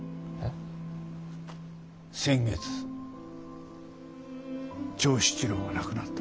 先月長七郎が亡くなった。